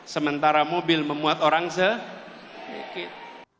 sementara mobil memuat orang sedikit